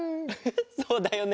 そうだよね。